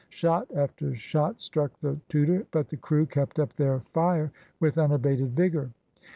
Shot after shot struck the Tudor, but the crew kept up their fire with unabated vigour.